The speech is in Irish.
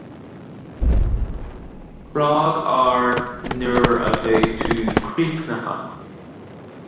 Is beag brabach a bhí le déanamh.